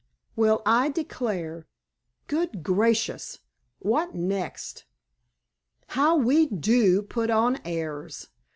"Well, I declare! Good gracious! what next? How we do put on airs!